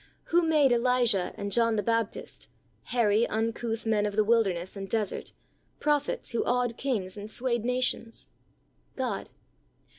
Who made Elijah and John the Baptist — hairy, uncouth men of the wilderness and desert — prophets who awed kings and swayed nations? God.